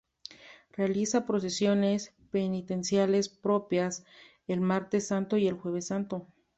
Realiza procesiones penitenciales propias el Martes Santo y el Jueves Santo.